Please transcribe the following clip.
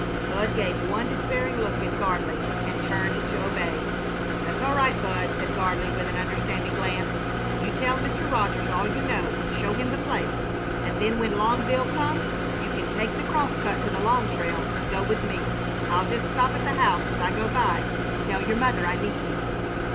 Bud gave one despairing look at Gardley and turned to obey. "That's all right, Bud," said Gardley, with an understanding glance. "You tell Mr. Rogers all you know and show him the place, and then when Long Bill comes you can take the cross cut to the Long Trail and go with me. I'll just stop at the house as I go by and tell your mother I need you."